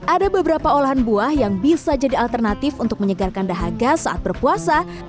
ada beberapa olahan buah yang bisa jadi alternatif untuk menyegarkan dahaga saat berpuasa